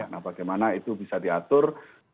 nah bagaimana itu bisa diatur